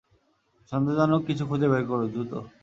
সন্দেহজনক কিছু খুঁজে বের করো, দ্রুত।